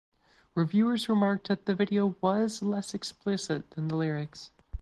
Reviewers remarked that the video was less explicit than the lyrics.